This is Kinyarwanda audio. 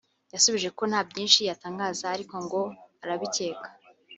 yasubije ko nta byinshi yatangaza ariko ngo arabicyeka